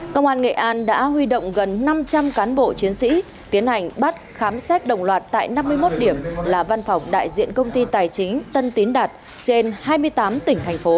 công an nghệ an đã huy động gần năm trăm linh cán bộ chiến sĩ tiến hành bắt khám xét đồng loạt tại năm mươi một điểm là văn phòng đại diện công ty tài chính tân tín đạt trên hai mươi tám tỉnh thành phố